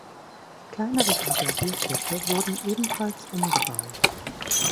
Kleinere Passagierschiffe wurden ebenfalls umgebaut.